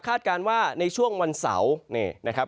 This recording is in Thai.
การว่าในช่วงวันเสาร์นี่นะครับ